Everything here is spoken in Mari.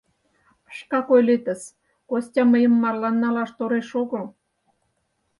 Шкак ойлетыс: Костя мыйым марлан налаш тореш огыл.